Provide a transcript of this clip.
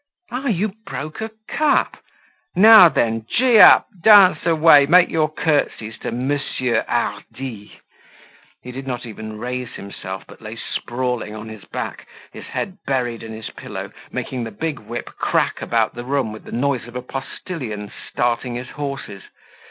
Ah! you broke a cup! Now then, gee up! Dance away, make your curtsies to Monsieur Hardy!" He did not even raise himself but lay sprawling on his back, his head buried in his pillow, making the big whip crack about the room with the noise of a postillion starting his horses.